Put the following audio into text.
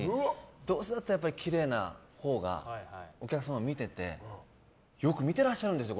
どうせだったらきれいなほうがお客様もよく見てらっしゃるんですよ。